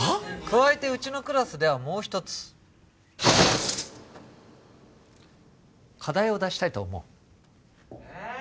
加えてうちのクラスではもう一つ課題を出したいと思うえっ！？